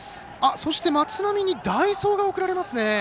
そして、松波に代走が送られます。